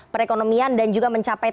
perekonomian dan juga mencapai